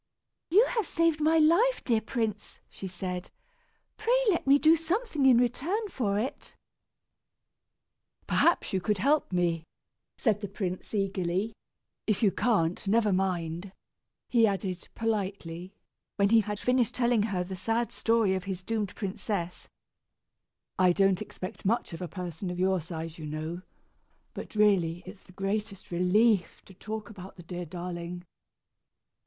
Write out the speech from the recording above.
"You have saved my life, dear prince," she said. "Pray let me do something in return for it." "Perhaps you can help me," said the prince, eagerly. "If you can't, never mind," he added, politely, when he had finished telling her the sad story of his doomed princess. "I don't expect much of a person of your size, you know; but really it's the greatest relief to talk about the dear darling!"